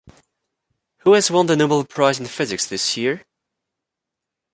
Who has won the Nobel Prize in Physics this year?